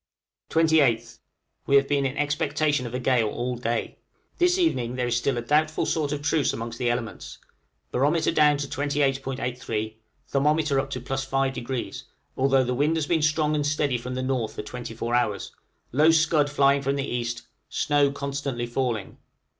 28th. We have been in expectation of a gale all day. This evening there is still a doubtful sort of truce amongst the elements. Barometer down to 28·83; thermometer up to +5°, although the wind has been strong and steady from the N. for twenty four hours, low scud flying from the E., snow constantly falling.